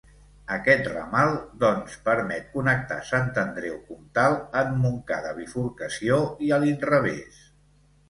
Aquest ramal doncs permet connectar Sant Andreu Comtal amb Montcada Bifurcació i a l'inrevés.